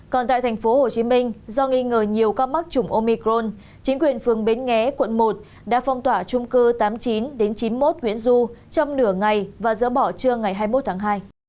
còn tại tp hcm do nghi ngờ nhiều ca mắc chủng omicron chính quyền phường bến nghé quận một đã phong tỏa trung cư tám mươi chín chín mươi một nguyễn du trong nửa ngày và dỡ bỏ trưa ngày hai mươi một tháng hai